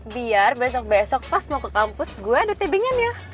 biar besok besok pas mau ke kampus gue ada tippingin ya